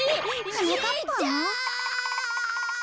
はなかっぱん？